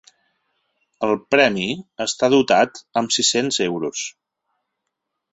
El premi està dotat amb sis-cents euros.